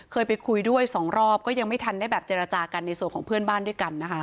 เคยไปคุยด้วยสองรอบก็ยังไม่ทันได้แบบเจรจากันในส่วนของเพื่อนบ้านด้วยกันนะคะ